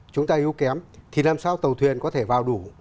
chúng ta yếu kém thì làm sao tàu thuyền có thể vào đủ